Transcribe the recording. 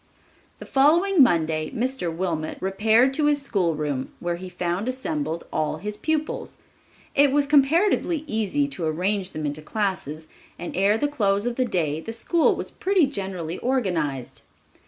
The following Monday, Mr. Wilmot repaired to his schoolroom, where he found assembled all his pupils. It was comparatively easy to arrange them into classes and ere the close of the day the school was pretty generally organized.